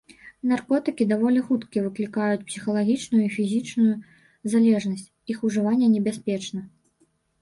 Наркотыкі даволі хутка выклікаюць псіхалагічную і фізічную залежнасць, іх ужыванне небяспечна.